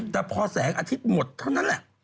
แต่พอแสงอาทิตย์หมดเท่านั้นแหละ